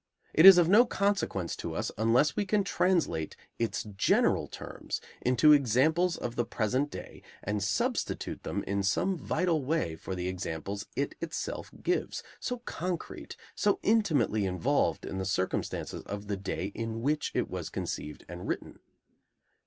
It is of no consequence to us unless we can translate its general terms into examples of the present day and substitute them in some vital way for the examples it itself gives, so concrete, so intimately involved in the circumstances of the day in which it was conceived and written.